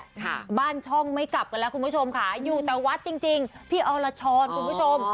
ค่ะบ้านช่องไม่กลับกันแล้วคุณผู้ชมค่ะอยู่แต่วัดจริงจริงพี่อรชรคุณผู้ชม